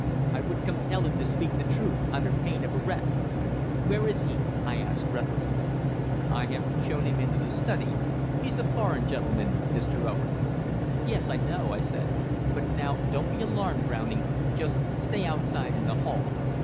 I would compel him to speak the truth, under pain of arrest. "Where is he?" I asked breathlessly. "I have shown him into the study. He's a foreign gentleman, Mr. Owen." "Yes, I know," I said. "But now, don't be alarmed, Browning just stay outside in the hall.